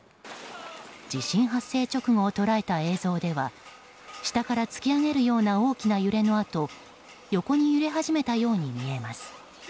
地震発生直後を捉えた映像では下から突き上げるような大きな揺れのあと横に揺れ始めたように見えます。